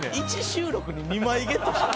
１収録に２枚ゲットして。